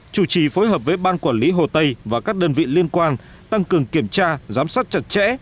chủ trì phối hợp với ban quản lý hồ tây và các đơn vị liên quan tăng cường kiểm tra giám sát chặt chẽ